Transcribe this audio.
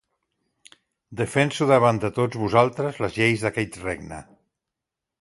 Defenso davant de tots vosaltres les lleis d'aquest regne.